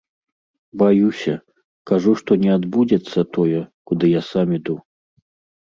Баюся, кажу, што не адбудзецца тое, куды я сам іду.